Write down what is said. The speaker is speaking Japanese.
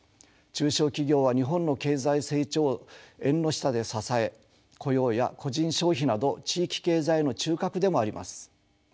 中小企業は日本の経済成長を縁の下で支え雇用や個人消費など地域経済の中核でもあります。